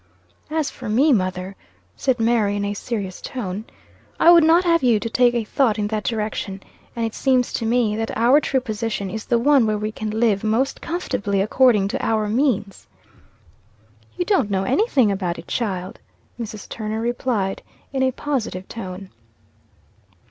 "As for me, mother," said Mary, in a serious tone, "I would not have you to take a thought in that direction. And it seems to me that our true position is the one where we can live most comfortably according to our means." "You don't know anything about it, child," Mrs. Turner replied, in a positive tone.